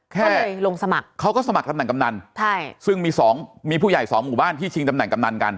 ก็เลยลงสมัครเขาก็สมัครตำแหนกำนันใช่ซึ่งมีสองมีผู้ใหญ่สองหมู่บ้านที่ชิงตำแหนกำนันกัน